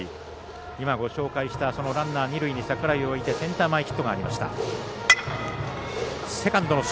今、ご紹介したランナー二塁に櫻井を置いてセンター前ヒットがありました。